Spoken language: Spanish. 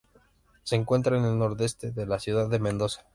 Se encuentra al nordeste de la ciudad de Mendoza.